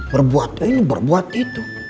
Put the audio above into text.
berbuat ini berbuat itu